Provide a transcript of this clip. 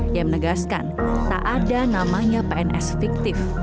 yang menegaskan tak ada namanya pns fiktif